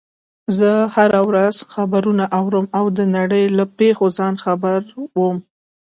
زه هره ورځ خبرونه اورم او د نړۍ له پیښو ځان خبر وم